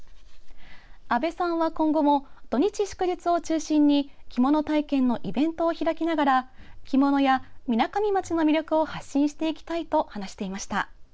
阿部さんは今後も土日祝日を中心に着物体験のイベントを開きながら着物や、みなかみ町の魅力を発信していきたいと話していました。